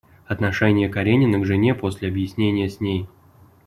Отношение Каренина к жене после объяснения с ней.